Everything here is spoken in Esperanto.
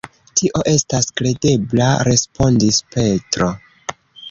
Tio estas kredebla, respondis Petro.